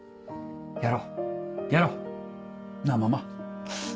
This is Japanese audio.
やろうやろう！なぁママ？